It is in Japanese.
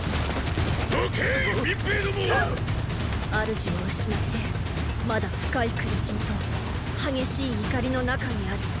主を失ってまだ深い苦しみと激しい怒りの中にある。